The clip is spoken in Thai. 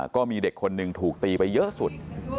ก็มีเด็กคนหนึ่งถูกตีไปเยอะสุด